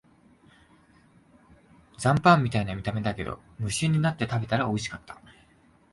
残飯みたいな見た目だけど、無心になって食べたらおいしかった